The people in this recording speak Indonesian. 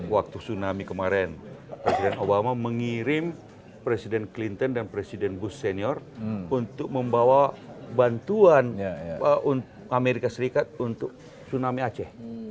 waktu tsunami kemarin presiden obama mengirim presiden clinton dan presiden bush senior untuk membawa bantuan amerika serikat untuk tsunami aceh